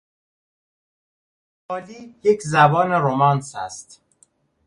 پرتغالی یک زبان رومانس است.